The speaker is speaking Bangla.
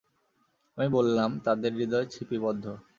আমি বললাম, তাদের হৃদয় ছিপিবদ্ধ।